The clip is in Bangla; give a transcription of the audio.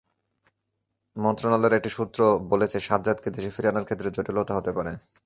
মন্ত্রণালয়ের একটি সূত্র বলেছে, সাজ্জাদকে দেশে ফিরিয়ে আনার ক্ষেত্রে জটিলতা হতে পারে।